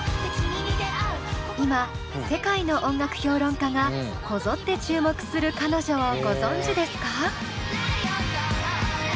今世界の音楽評論家がこぞって注目する彼女をご存じですか？